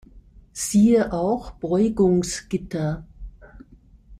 Siehe auch Beugungsgitter.